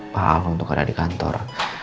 pakal untuk ada di kantor